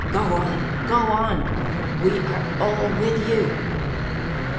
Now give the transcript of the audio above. Go on, go on! We are all with you!"